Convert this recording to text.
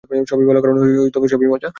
সবই ভাল, কারণ সবই মজা।